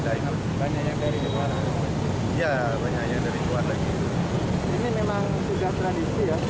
daif banyaknya dari keluarga ya banyaknya dari keluar lagi ini memang sudah tradisi ya